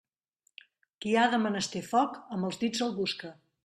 Qui ha de menester foc, amb els dits el busca.